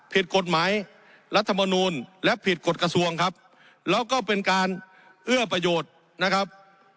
ผิดกฎหมายรัฐมนูลและผิดกฎกระทรวงครับแล้วก็เป็นการเอื้อประโยชน์นะครับ